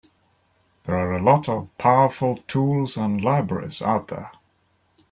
There are a lot of powerful tools and libraries out there.